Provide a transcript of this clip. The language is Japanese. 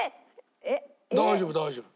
大丈夫大丈夫。